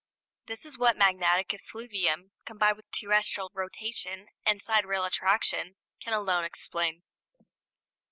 This is what magnetic effluvium, combined with terrestrial rotation and sidereal attraction, can alone explain.